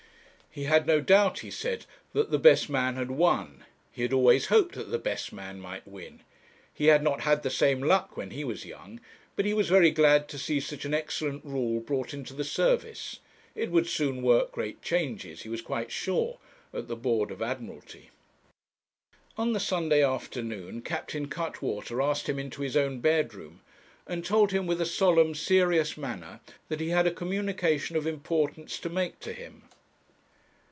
'He had no doubt,' he said, 'that the best man had won. He had always hoped that the best man might win. He had not had the same luck when he was young, but he was very glad to see such an excellent rule brought into the service. It would soon work great changes, he was quite sure, at the Board of Admiralty.' On the Sunday afternoon Captain Cuttwater asked him into his own bedroom, and told him with a solemn, serious manner that he had a communication of importance to make to him.